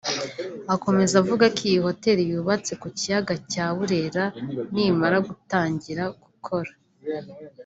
Akomeza avuga ko iyi hoteli yubatse ku kiyaga cya Burera nimara gutangira gukora